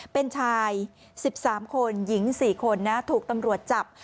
เป็นชาย๑๓คนหญิง๔คนนะถูกตำรวจจับ